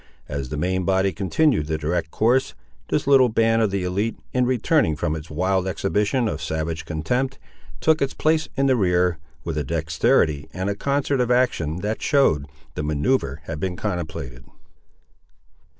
As the main body continued the direct course, this little band of the élite, in returning from its wild exhibition of savage contempt, took its place in the rear, with a dexterity and a concert of action that showed the manoeuvre had been contemplated.